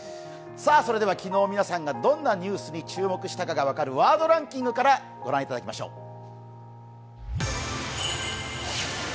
昨日、皆さんがどんなニュースに注目したかが分かる「ワードランキング」から御覧いただきましょう。